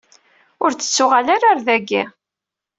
Ur d-nettuɣal ara ɣer dagi.